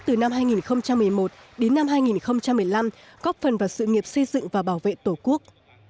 từ năm hai nghìn một mươi một đến năm hai nghìn một mươi năm góp phần vào sự nghiệp xây dựng và bảo vệ tổ quốc